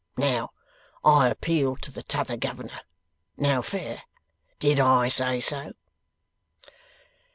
Now, I appeal to the T'other Governor. Now, fair! Did I say so?